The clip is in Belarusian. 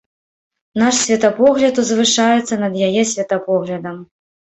Наш светапогляд узвышаецца над яе светапоглядам.